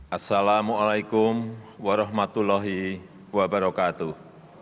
assalamu'alaikum warahmatullahi wabarakatuh